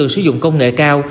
sử dụng công nghệ cao